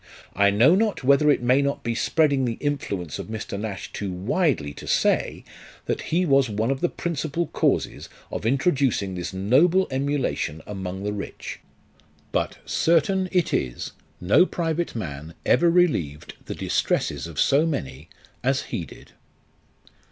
I know not whether it may not be spreading the influence of Mr. Nash too widely to say, that he was one of the principal causes of introducing this noble emulation among the rich ; but certain it is, no private man ever relieved the distresses of so many as he did.